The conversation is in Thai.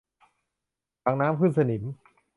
ถังน้ำขึ้นสนิม